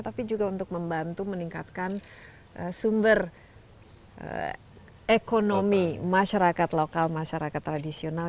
tapi juga untuk membantu meningkatkan sumber ekonomi masyarakat lokal masyarakat tradisional